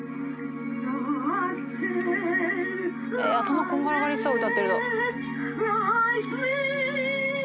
頭こんがらがりそう歌ってると。